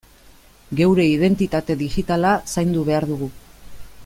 Geure identitate digitala zaindu behar dugu.